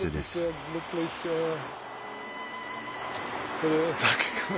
それだけかな。